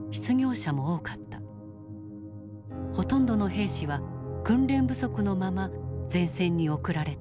ほとんどの兵士は訓練不足のまま前線に送られた。